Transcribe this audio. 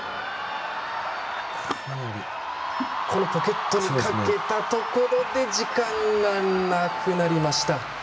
ポケットにかけたところで時間がなくなりました。